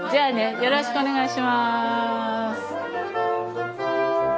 よろしくお願いします。